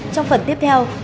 trong phần tiếp theo